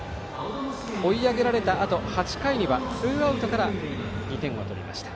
追い上げられたあと８回にはツーアウトから２点を取りました。